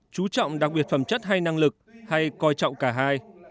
chú trọng đặc biệt phẩm chất hay năng lực hay coi trọng cả hai